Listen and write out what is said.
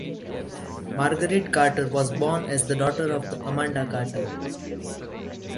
Margaret Carter was born as the daughter of Amanda Carter.